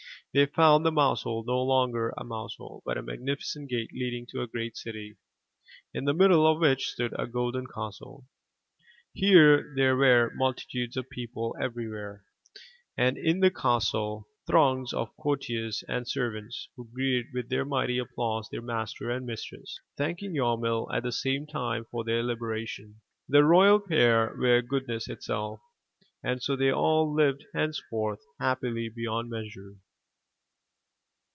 They found the mouse hole no longer a mouse hole, but a magnificent gate leading to a great city, in the middle of which stood a golden castle. Here there were multitudes of people everywhere, and in the castle throngs of 393 M Y BOOK HOUSE courtiers and servants, who greeted with mighty applause their master and mistress, thanking Yarmil at the same time for their liberation. The royal pair were goodness itself, and so they all lived henceforth, happily beyond measure.